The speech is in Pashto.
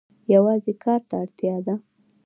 یوازې کار ته اړتیا ده.